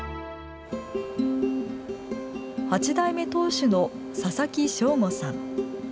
八代目当主の佐々木勝悟さん。